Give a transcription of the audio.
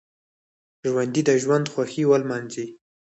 ژوندي د ژوند خوښۍ ولمانځي